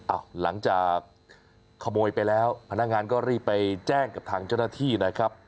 หลังจากขโมยไปแล้วพนักงานก็รีบไปแจ้งกับทางเจ้าหน้าที่นะครับ